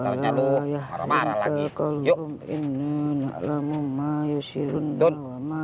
ntar nyaduk marah marah lagi